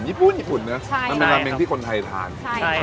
ญี่ปุ่นญี่ปุ่นเนอะใช่มันเป็นลาเม้งที่คนไทยทานใช่ครับ